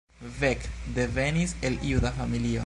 Beck devenis el juda familio.